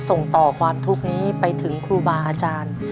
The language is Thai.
ส่งต่อความทุกข์นี้ไปถึงครูบาอาจารย์